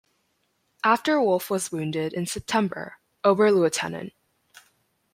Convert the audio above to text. After Wolff was wounded in September, Oberlt.